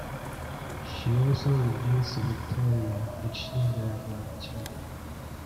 She also reveals to Victoria that she and Derek love each other.